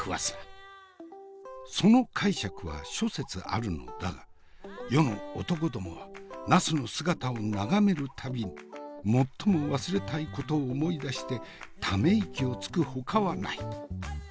その解釈は諸説あるのだが世の男どもはナスの姿を眺める度に最も忘れたいことを思い出してため息をつくほかはない。